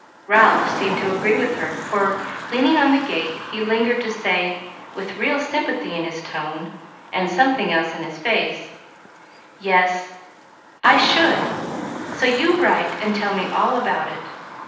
Ralph seemed to agree with her, for, leaning on the gate, he lingered to say, with real sympathy in his tone and something else in his face, "Yes, I should; so you write and tell me all about it.